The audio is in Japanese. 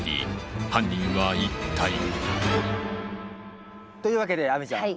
犯人は一体？というわけで亜美ちゃん。